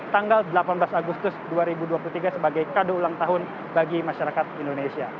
tanggal delapan belas agustus dua ribu dua puluh tiga sebagai kado ulang tahun bagi masyarakat indonesia